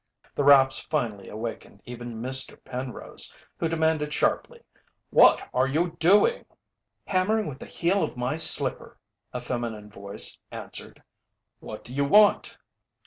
The raps finally awakened even Mr. Penrose, who demanded sharply: "What are you doing?" "Hammering with the heel of my slipper," a feminine voice answered. "What do you want?"